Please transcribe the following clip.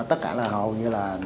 tất cả là hầu như là